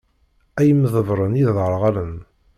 Ay imḍebbren iderɣalen!